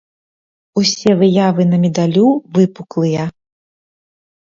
Усе выявы на медалю выпуклыя.